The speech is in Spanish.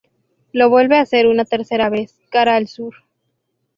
lo vuelve a hacer una tercera vez cara al Sur.